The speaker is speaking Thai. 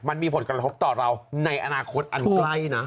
มันมีผลกระทบต่อเราในอนาคตอันใกล้นะ